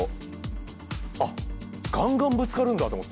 あっガンガンぶつかるんだと思って双子同士。